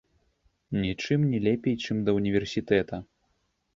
Нічым не лепей, чым да ўніверсітэта!